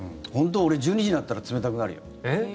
俺、１２時になったら冷たくなるよ。